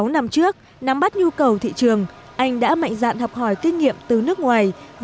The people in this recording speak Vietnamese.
sáu năm trước nắm bắt nhu cầu thị trường anh đã mạnh dạn học hỏi kinh nghiệm từ nước ngoài